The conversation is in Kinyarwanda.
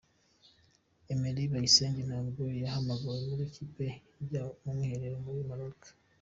Emery Bayisenge ntabwo yahamagawe muri iyi kipe izajya mu mwiherero muri Maroc.